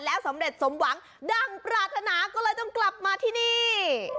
สำเร็จสมหวังดังปรารถนาก็เลยต้องกลับมาที่นี่